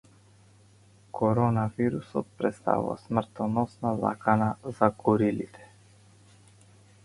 Коронавирусот претставува смртоносна закана за горилите